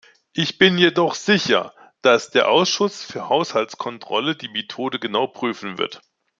Ich bin jedoch sicher, dass der Ausschuss für Haushaltskontrolle die Methode genau prüfen wird.